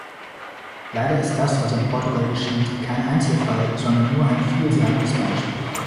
Leider ist das, was in Portugal geschieht, kein Einzelfall, sondern nur ein vielsagendes Beispiel.